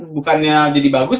bukannya jadi bagus